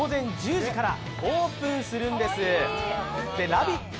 ラヴィット！